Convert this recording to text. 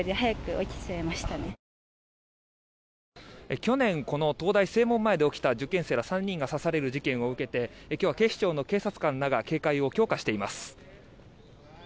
去年この東大正門前で起きた受験生ら３人が刺される事件を受けて今日は警視庁の警察官らが警戒を強化しています。